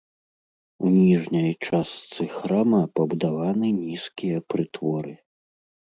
У ніжняй частцы храма пабудаваны нізкія прытворы.